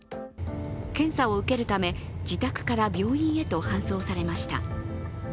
検査を受けるため、自宅から病院へと搬送されました。